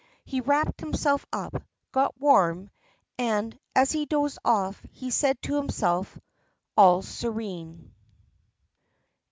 ..." He wrapped himself up, got warm, and as he dozed off, he said to himself: "All serene!"